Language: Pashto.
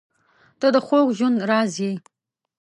• ته د خوږ ژوند راز یې.